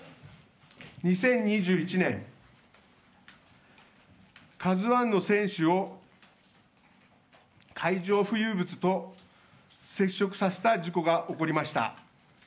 ２０２１年、「ＫＡＺＵⅠ」の船首を海上浮遊物と接触させた事故が起こりました。